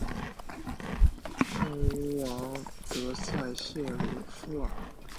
圣乌昂德塞谢鲁夫尔。